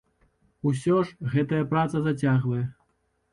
Усё ж гэтая праца зацягвае.